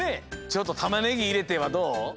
ちょっとタマネギいれてはどう？